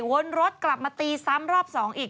วนรถกลับมาตีซ้ำรอบ๒อีก